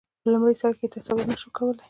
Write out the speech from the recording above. په لومړي سر کې تصور نه شو کولای.